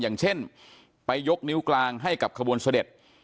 อย่างเช่นไปยกนิ้วกลางให้กับขบวนเสด็จ